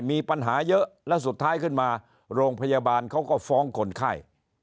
มีปัญหาเยอะแล้วสุดท้ายขึ้นมาโรงพยาบาลเขาก็ฟ้องคนไข้